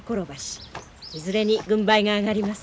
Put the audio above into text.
いずれに軍配が上がりますか。